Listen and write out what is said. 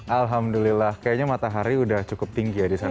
alhamdulillah kayaknya matahari udah cukup tinggi ya di sana